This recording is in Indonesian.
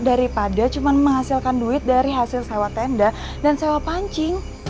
daripada cuma menghasilkan duit dari hasil sewa tenda dan sewa pancing